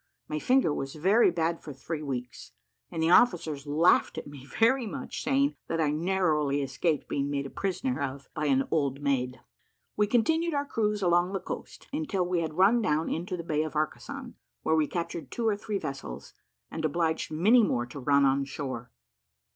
My finger was very bad for three weeks, and the officers laughed at me very much, saying that I narrowly escaped being made a prisoner of by an "old maid." We continued our cruise along the coast, until we had run down into the Bay of Arcason, where we captured two or three vessels, and obliged many more to run on shore.